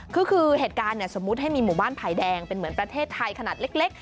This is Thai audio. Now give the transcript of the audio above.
คือเหตุการณ์สมมุติให้มีหมู่บ้านไผ่แดงเป็นเหมือนประเทศไทยขนาดเล็ก